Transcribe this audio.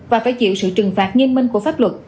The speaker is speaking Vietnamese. và phải chịu sự trừng phạt nghiêm minh của pháp luật